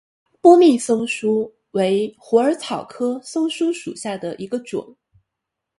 波密溲疏为虎耳草科溲疏属下的一个种。